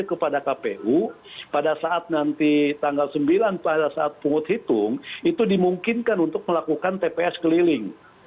jadi kepada kpu pada saat nanti tanggal sembilan pada saat penghut hitung itu dimungkinkan untuk melakukan tps keliling